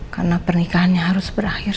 karena pernikahannya harus berakhir